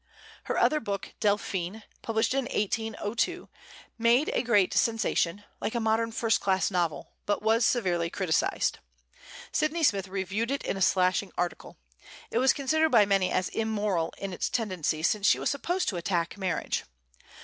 Her other book, "Delphine," published in 1802, made a great sensation, like a modern first class novel, but was severely criticised. Sydney Smith reviewed it in a slashing article. It was considered by many as immoral in its tendency, since she was supposed to attack marriage.